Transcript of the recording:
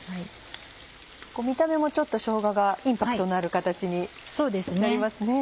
見た目もちょっとしょうががインパクトのある形になりますね。